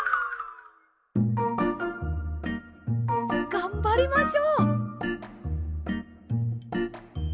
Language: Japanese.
がんばりましょう！